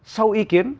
sau ý kiến